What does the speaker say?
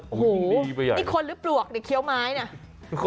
โหนี่คนหรือปลวกเดี๋ยวเคี้ยวไม้น่ะ